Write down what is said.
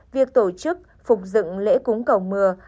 việc tổ chức phục dựng lễ cúng cầu mưa